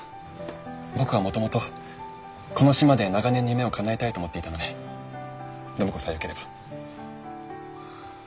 僕はもともとこの島で長年の夢をかなえたいと思っていたので暢子さえよければ。